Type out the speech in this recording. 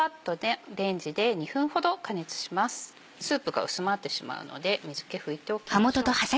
スープが薄まってしまうので水気拭いておきましょう。